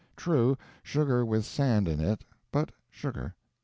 True, sugar with sand in it, but sugar.